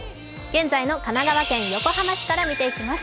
現在の神奈川県横浜市から見ていきます。